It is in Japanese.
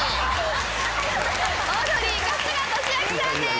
オードリー・春日俊彰さんです。